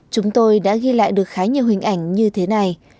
chúng tôi đã ghi lại được khá nhiều hình ảnh như thế này